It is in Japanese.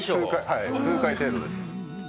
数回程度です。